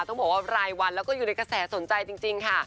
ต้องบอกว่ารายวันแล้วก็อยู่ในกระแสสนใจจริงค่ะ